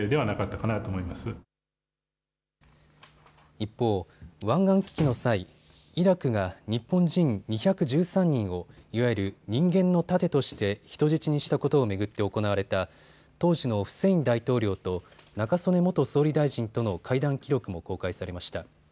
一方、湾岸危機の際、イラクが日本人２１３人をいわゆる人間の盾として人質にしたことを巡って行われた当時のフセイン大統領と中曽根元総理大臣との会談記録も公開されました。